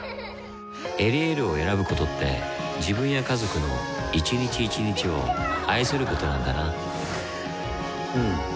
「エリエール」を選ぶことって自分や家族の一日一日を愛することなんだなうん。